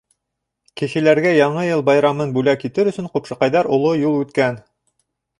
Кешеләргә Яңы йыл байрамын бүләк итер өсөн ҡупшыҡайҙар оҙон юл үткән.